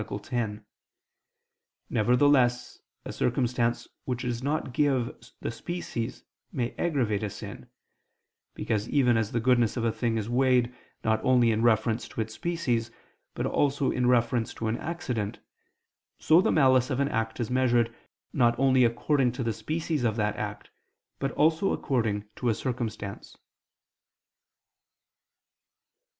10). Nevertheless a circumstance which does not give the species, may aggravate a sin; because, even as the goodness of a thing is weighed, not only in reference to its species, but also in reference to an accident, so the malice of an act is measured, not only according to the species of that act, but also according to a circumstance.